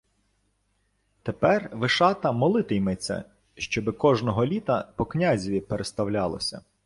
— Тепер Вишата молити-йметься, щоби комождого літа по князеві переставлялося.